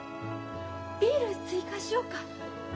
ビール追加しようか？